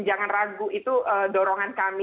jangan ragu itu dorongan kami